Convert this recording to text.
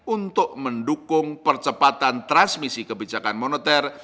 untuk mendukung percepatan transmisi kebijakan moneter